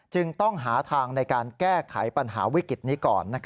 จึงต้องหาทางในการแก้ไขปัญหาวิกฤตนี้ก่อน